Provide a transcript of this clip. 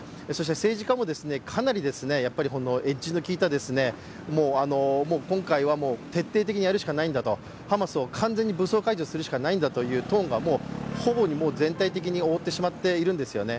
政治家もかなりエッジのきいた今回は徹底的にやるしかないんだと、ハマスを完全に武装解除するしかないんだというトーンがほぼ全体的に覆ってしまっているんですよね。